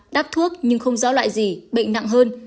đáp thuốc nhưng không rõ loại gì bệnh nặng hơn